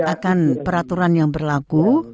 akan peraturan yang berlaku